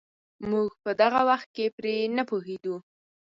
موږ په دغه وخت کې پرې نه پوهېدو.